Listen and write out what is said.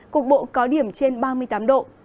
cục bộ có điểm trên ba mươi tám độ